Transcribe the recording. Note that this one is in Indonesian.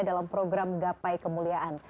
dalam program gapai kemuliaan